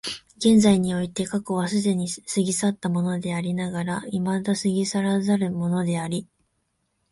現在において過去は既に過ぎ去ったものでありながら未だ過ぎ去らざるものであり、